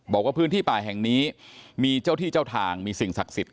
บอกว่าพื้นที่ป่าแห่งนี้มีเจ้าที่เจ้าทางมีสิ่งศักดิ์สิทธิ